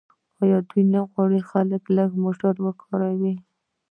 آیا دوی نه غواړي خلک لږ موټر وکاروي؟